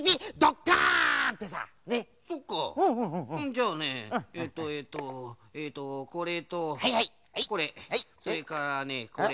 じゃあねえとえとえとこれとこれそれからねこれ。